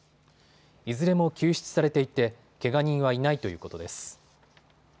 いずれも救出されていてけが人はいないということです。